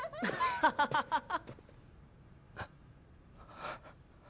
ハハハハ！